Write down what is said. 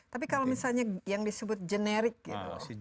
tapi kalau misalnya yang disebut generik gitu